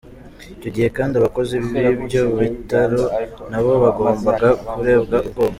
Icyo gihe kandi abakozi b’ibyo bitaro na bo bagombaga kurebwa ubwoko.